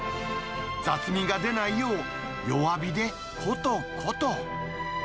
雑味が出ないよう、弱火でことこと。